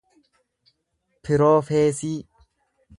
piroofeesii